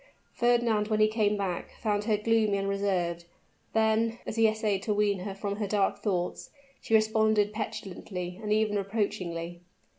Fernand when he came back, found her gloomy and reserved; then, as he essayed to wean her from her dark thoughts, she responded petulantly and even reproachingly.